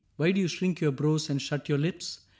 Why do you shrink your brows and shut your lips